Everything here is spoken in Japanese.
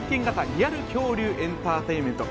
リアル恐竜エンターテインメント